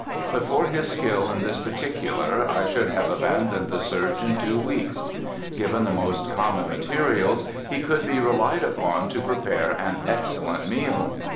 But for his skill in this particular I should have abandoned the search in two weeks. Given the most common materials he could be relied upon to prepare an excellent meal.